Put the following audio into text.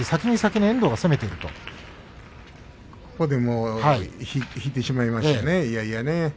ここで、いやいや引いてしまいました。